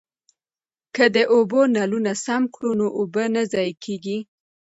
که د اوبو نلونه سم کړو نو اوبه نه ضایع کیږي.